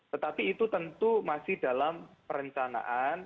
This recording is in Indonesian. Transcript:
tetapi itu tentu masih dalam perencanaan